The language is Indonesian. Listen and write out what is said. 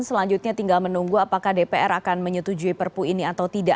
selanjutnya tinggal menunggu apakah dpr akan menyetujui perpu ini atau tidak